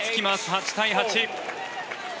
８対８。